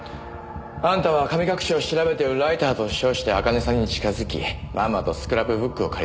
あんたは神隠しを調べているライターと称して茜さんに近づきまんまとスクラップブックを借り出した。